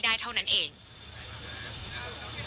ง่ายอย่าหนีบ้างค่ะ